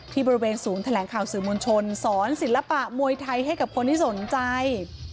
บริเวณศูนย์แถลงข่าวสื่อมวลชนสอนศิลปะมวยไทยให้กับคนที่สนใจ